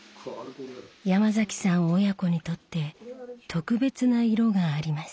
山崎さん親子にとって特別な色があります。